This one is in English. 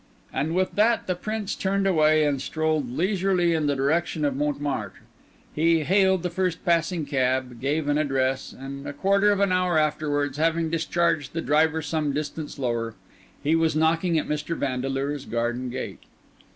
And with that the Prince turned away and strolled leisurely in the direction of Montmartre. He hailed the first passing cab, gave an address, and a quarter of an hour afterwards, having discharged the driver some distance lower, he was knocking at Mr. Vandeleur's garden gate.